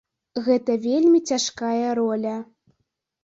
Гэта вельмі цяжкая роля.